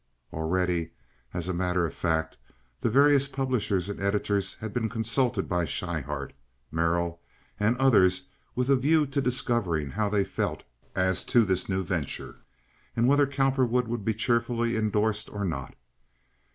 Already, as a matter of fact, the various publishers and editors had been consulted by Schryhart, Merrill, and others with a view to discovering how they felt as to this new venture, and whether Cowperwood would be cheerfully indorsed or not.